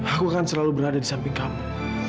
aku akan selalu berada di samping kamu